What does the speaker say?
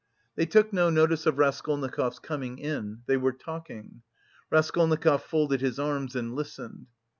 They took no notice of Raskolnikov's coming in; they were talking. Raskolnikov folded his arms and listened.